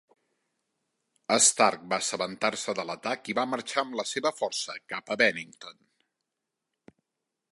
Stark va assabentar-se de l'atac i va marxar amb la seva força cap a Bennington.